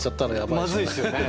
まずいですよね。